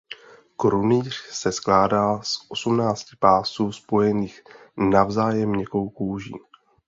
Krunýř se skládá z osmnácti pásů spojených navzájem měkkou kůží.